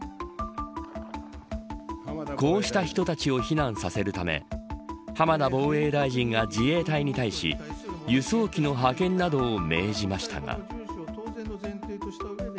こうした人たちを避難させるため浜田防衛大臣が自衛隊に対し輸送機の派遣などを命じましたが。